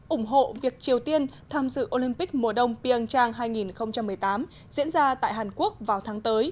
ủng hộ việc triều tiên tham dự olympic mùa đông pyeongchang hai nghìn một mươi tám